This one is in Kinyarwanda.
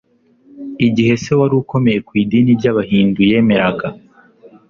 igihe se wari ukomeye ku idini ry abahindu yemeraga